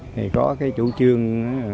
thì có chủ trương